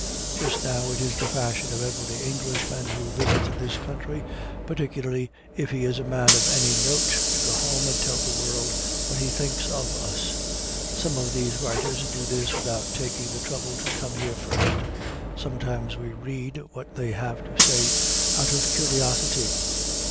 Just now it is the fashion for every Englishman who visits this country, particularly if he is a man of any note, to go home and tell the world what he thinks of us. Some of these writers do this without taking the trouble to come here first. Sometimes we read what they have to say out of curiosity.